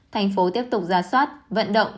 thành phố tiếp tục ra soát vận động